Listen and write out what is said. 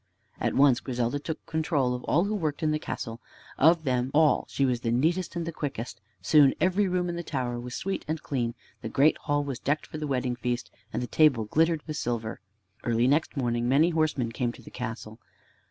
At once Griselda took control of all who worked in the castle. Of them all she was the neatest and the quickest. Soon every room in the tower was sweet and clean. The great hall was decked for the wedding feast, and the table glittered with silver. Early next morning many horsemen came to the castle.